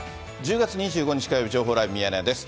１０月２５日火曜日、情報ライブミヤネ屋です。